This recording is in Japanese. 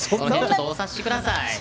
お察しください！